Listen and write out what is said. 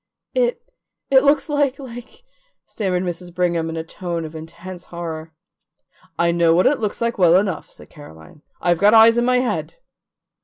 "It it looks like like " stammered Mrs. Brigham in a tone of intense horror. "I know what it looks like well enough," said Caroline. "I've got eyes in my head."